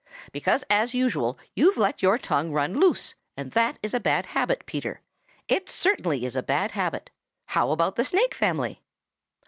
"Because as usual you've let your tongue run loose, and that is a bad habit, Peter. It certainly is a bad habit. How about the Snake family?"